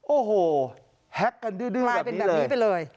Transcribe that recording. โอ้โหแฮกกันดื้อแบบนี้เลย